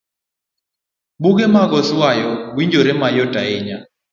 Buge mag oswayo winjore mayot ahinya.